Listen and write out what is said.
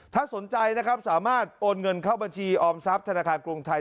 ถ้าสนใจนะครับสามารถโอนเงินเข้าบัญชีออมทรัพย์ธนาคารกรุงไทย